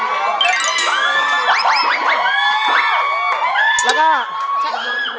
ใส่อดีฟากภพมีหู